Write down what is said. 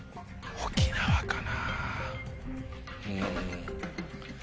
沖縄かな？